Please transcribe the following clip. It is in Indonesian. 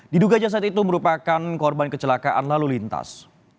diduga jasad itu merupakan korban kecelakaan lalu lintas